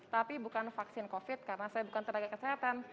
tapi bukan vaksin covid karena saya bukan tenaga kesehatan